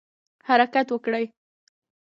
حرکت وکړئ